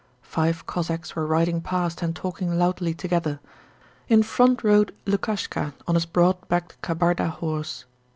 Five Cossacks were riding past and talking loudly together. In front rode Lukashka on his broad backed Kabarda horse.